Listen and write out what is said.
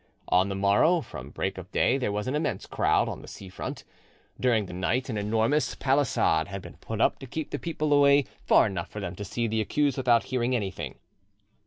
On the morrow from break of day there was an immense crowd on the sea front. During the night an enormous palisade had been put up to keep the people away far enough for them to see the accused without hearing anything.